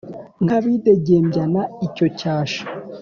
nk' abidegembyana icyo cyasha